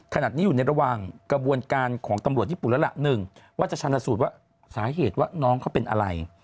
ขณะนี้อยู่ในระหว่างกระบวนการของตำรวจญี่ปุ่นแล้วล่ะ๑ว่าจะชนะสูตรว่าสาเหตุว่าน้องเขาเป็นอะไร